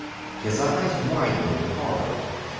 His eyes widened in horror.